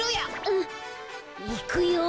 うん。いくよ。